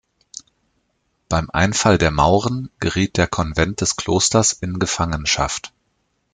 Beim Einfall der Mauren geriet der Konvent des Klosters in Gefangenschaft.